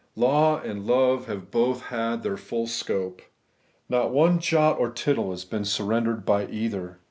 Law and love have both had their full scope. Not one jot or tittle has been surrendered by either.